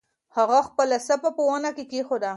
هغه خپله صافه په ونه کې کېښوده.